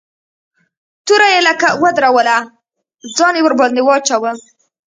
توره يې لکه ودروله ځان يې ورباندې واچاوه.